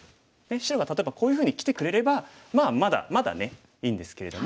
白が例えばこういうふうにきてくれればまあまだまだねいいんですけれども。